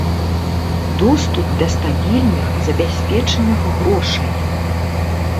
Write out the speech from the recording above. Доступ да стабільных, забяспечаных грошай.